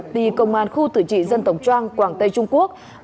đi công an khu tử trị dân tổng trang quảng tây trung quốc